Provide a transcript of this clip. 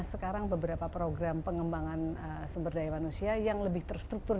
sekarang beberapa program pengembangan sumber daya manusia yang lebih terstruktur